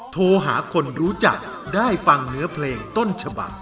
โทรหาคนรู้จักได้ฟังเนื้อเพลงต้นฉบัก